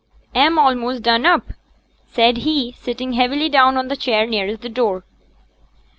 'A'm a'most done up,' said he, sitting heavily down on the chair nearest the door.